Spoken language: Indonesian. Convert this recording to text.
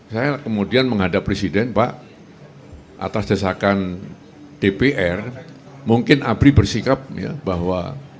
saya kemudian menghadap presiden pak atas desakan dpr mungkin abri bersikap bahwa